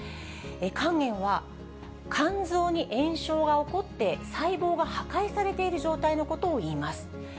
肝炎は肝臓に炎症が起こって、細胞が破壊されている状態のことをいいます。